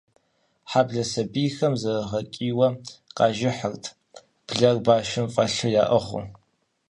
Хьэблэ сэбийхэм зэрыгъэкӏийуэ къажыхьырт, блэр башым фӏэлъу яӏыгъыу.